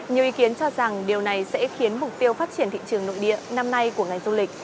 nhiều ý kiến cho rằng điều này sẽ khiến mục tiêu phát triển thị trường nội địa năm nay của ngành du lịch